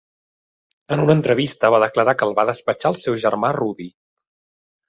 En una entrevista va declarar que el va despatxar el seu germà Rudy.